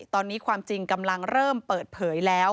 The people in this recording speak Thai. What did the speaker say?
ตอนนี้ความจริงกำลังเริ่มเปิดเผยแล้ว